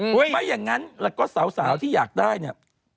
ไม่อย่างนั้นแล้วก็สาวที่อยากได้เนี่ย